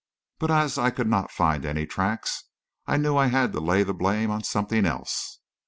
But as I could not find any tracks, I knew I had to lay the blame on something else.